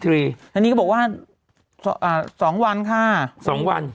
แล้วนี้ก็บอกว่า๒วันค่ะสองวัน